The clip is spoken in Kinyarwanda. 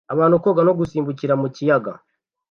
Abantu koga no gusimbukira mu kiyaga